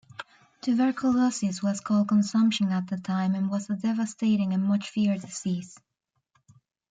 Tuberculosis was called "consumption" at the time and was a devastating and much-feared disease.